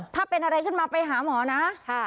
ถ้าเป็นอะไรขึ้นมาไปหาหมอนะ